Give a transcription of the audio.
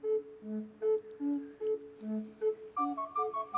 うん。